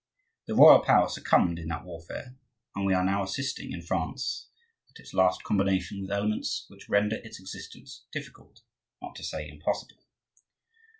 The royal power succumbed in that warfare, and we are now assisting, in France, at its last combination with elements which render its existence difficult, not to say impossible.